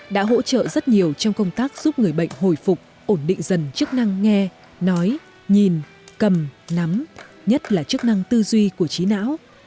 đã hỗ trợ rất nhiều trong công tác giúp người bệnh hồi phục ổn định dần chức năng nghe nói nhìn cầm nắm nhất là chức năng tư duy của trí não